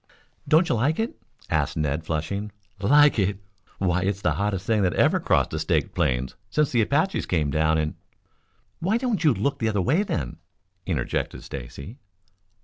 "Don't you like it?" asked Ned, flushing. "Like it? Why, it's the hottest thing that ever crossed the Staked Plains since the Apaches came down in " "Why don't you look the other way then?" interjected Stacy.